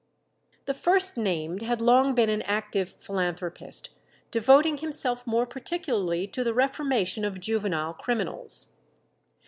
The first named had long been an active philanthropist, devoting himself more particularly to the reformation of juvenile criminals.